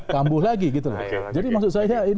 kambuh lagi jadi maksud saya